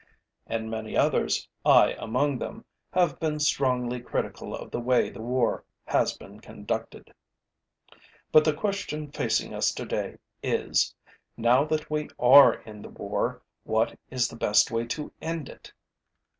And many others, I among them, have been strongly critical of the way the war has been conducted. But the question facing us today is: Now that we are in the war, what is the best way to end it?